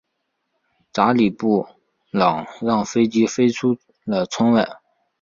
查理布朗让飞机飞出了窗外。